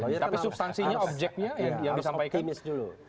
tapi substansinya objeknya yang disampaikan